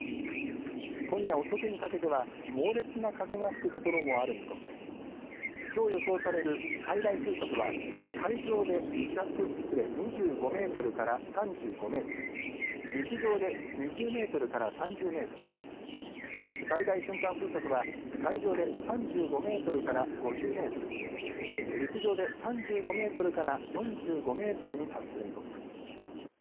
今夜遅くにかけては猛烈な風が吹く所もある見込みできょう予想される最大風速は海上で２５メートルから３５メートル、陸上で２０メートルから３０メートル、最大瞬間風速は、海上で３５メートルから５０メートル、陸上で３５メートルから４５メートルに達する見込みです。